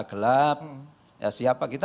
gelap ya siapa kita